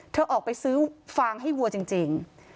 เธอออกไปซื้อฟางให้วัวจริง